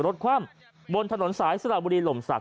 คว่ำบนถนนสายสระบุรีหล่มศักด